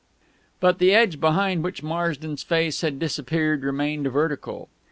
But the edge behind which Marsden's face had disappeared remained vertical.